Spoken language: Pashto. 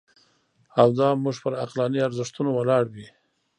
او دا موږ پر عقلاني ارزښتونو ولاړ وي.